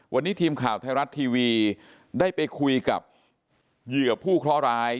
วันนี้ทีมข่าวไทยรัฐทีวีได้ไปคุยกับเหยื่อผู้เคราะห์ร้าย